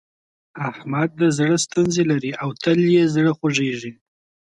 احمد د زړه ستونزې لري او تل يې زړه خوږېږي.